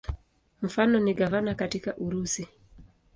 Mfano ni gavana katika Urusi.